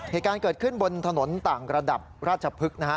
เหตุการณ์เกิดขึ้นบนถนนต่างระดับราชพฤกษ์นะฮะ